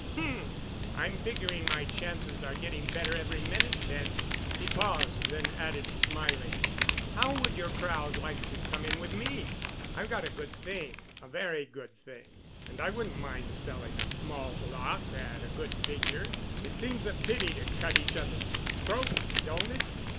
"H—m! I'm figuring my chances are getting better every minute, Bent." He paused and then added, smiling, "How would your crowd like to come in with me? I've got a good thing—a very good thing. And I wouldn't mind selling a small block at a good figure. It seems a pity to cut each other's throats, don't it?